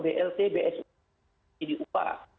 blt bsu di upah